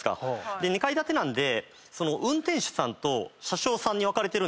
で２階建てなんで。